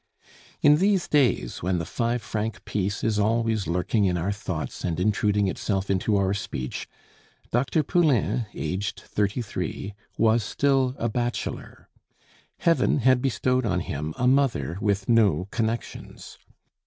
In these days, when the five franc piece is always lurking in our thoughts and intruding itself into our speech, Dr. Poulain, aged thirty three, was still a bachelor. Heaven had bestowed on him a mother with no connections.